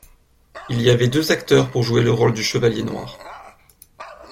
Il y avait deux acteurs pour jouer le rôle du chevalier noir.